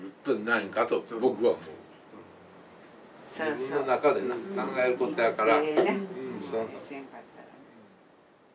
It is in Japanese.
自分の中でな考えることやから。